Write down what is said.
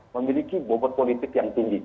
memiliki bobot politik yang tinggi